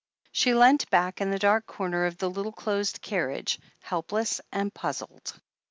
She leant back in the dark corner of the little closed carriage, helpless and puzzled.